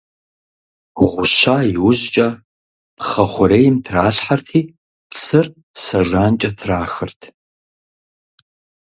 Гъуща иужькӀэ, пхъэ хъурейм тралъхьэрти, цыр сэ жанкӀэ трахырт.